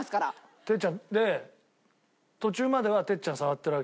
哲ちゃんで途中までは哲ちゃん触ってるわけよ。